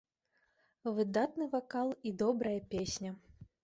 Выдатны вакал і добрая песня.